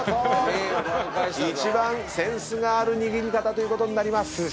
一番センスがある握り方ということになります。